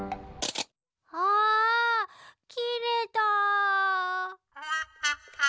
あきれた。